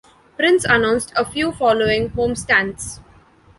Prince announced a few following homestands.